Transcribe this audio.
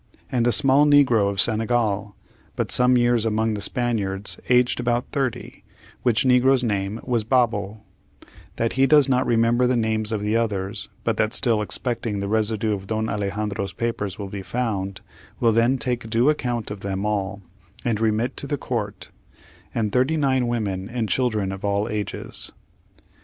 And a small negro of Senegal, but some years among the Spaniards, aged about thirty, which negro's name was Babo; that he does not remember the names of the others, but that still expecting the residue of Don Alexandra's papers will be found, will then take due account of them all, and remit to the court; and thirty nine women and children of all ages.